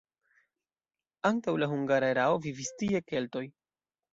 Antaŭ la hungara erao vivis tie keltoj.